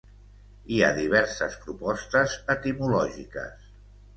Hi ha diverses propostes etimològiques.